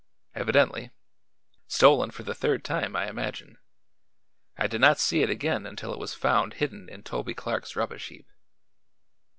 "Evidently. Stolen for the third time, I imagine. I did not see it again until it was found hidden in Toby Clark's rubbish heap."